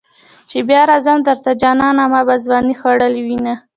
چې بیا راځم درته جانانه ما به ځوانی خوړلې وینه.